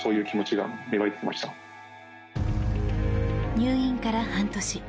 入院から半年。